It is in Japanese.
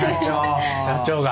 社長が。